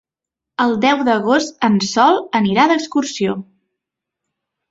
El deu d'agost en Sol anirà d'excursió.